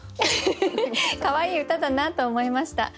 かわいい歌だなと思いました。